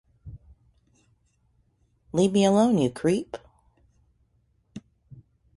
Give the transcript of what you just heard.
Leave me alone, you creep!